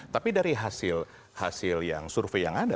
tapi dari hasil yang survei yang ada